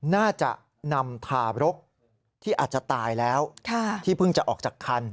น่าจะนำทารกที่อาจจะตายแล้วที่เพิ่งจะออกจากคัน